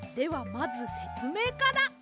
まずせつめいから。